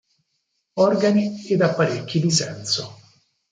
Organi ed Apparecchi di senso.